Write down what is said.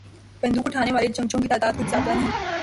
بندوق اٹھانے والے جنگجوؤں کی تعداد کچھ زیادہ نہیں۔